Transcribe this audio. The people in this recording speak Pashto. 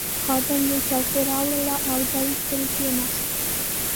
خادم یوه چوکۍ راوړل او دی پرې کښېناست.